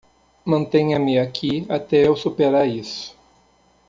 Mantenha-me aqui até eu superar isso.